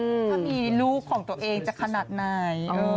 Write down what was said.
ถ้ามีลูกของตัวเองจะขนาดไหน